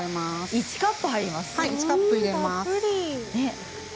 １カップ入れます。